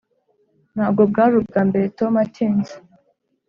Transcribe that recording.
ntabwo bwari ubwambere tom atinze.